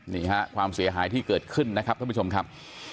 นี่ฮะความเสียหายที่เกิดขึ้นนะครับท่านผู้ชมครับ